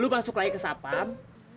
dulu masuk lagi ke sapam